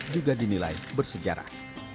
juga dinilai bersejarah